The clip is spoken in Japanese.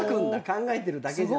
考えてるだけじゃなく。